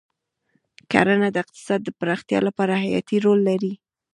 کرنه د اقتصاد د پراختیا لپاره حیاتي رول لري.